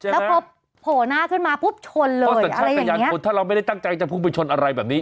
แล้วก็โผ่นหน้าขึ้นมาพุบชนเลยอะไรอย่างเนี้ยถ้าเราไม่ได้ตั้งใจจะพุ่งไปชนอะไรแบบนี้